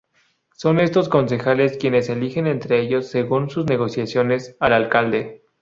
Son estos concejales quienes eligen entre ellos, según sus negociaciones, al alcalde.